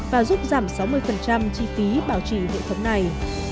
và giúp giảm sáu mươi chi phí bảo trì hệ thống này